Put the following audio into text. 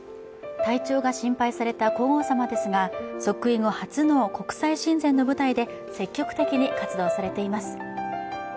体調が心配された皇后さまですが即位後初の国際親善の舞台で積極的に活動されています。